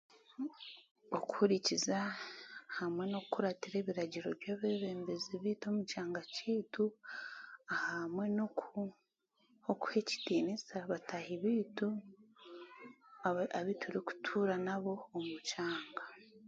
Okuhurikiza hamwe n'okukuratira ebiragiro by'abeebembezi baitu omu kyanga kyaitu ahamwe n'oku n'okuha ekitiinisa bataaahi baitu abe abuturikutuura nabo omu kyanga